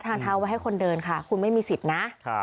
ทางเท้าไว้ให้คนเดินค่ะคุณไม่มีสิทธิ์นะ